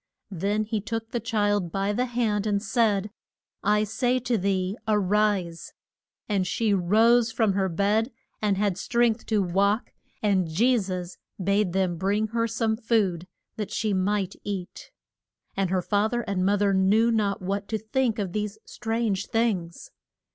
Then he took the child by the hand and said, I say to thee a rise. And she rose from her bed, and had strength to walk, and Je sus bade them bring her some food that she might eat. [Illustration: CUR ED BY TOUCH ING HIS GAR MENT.] And her fa ther and mo ther knew not what to think of these strange things.